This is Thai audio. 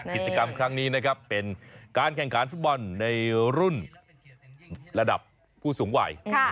กิจกรรมครั้งนี้นะครับเป็นการแข่งขันฟุตบอลในรุ่นระดับผู้สูงวัย